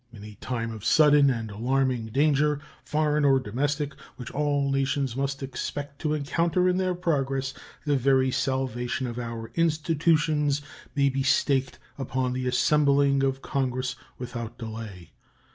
In a time of sudden and alarming danger, foreign or domestic, which all nations must expect to encounter in their progress, the very salvation of our institutions may be staked upon the assembling of Congress without delay.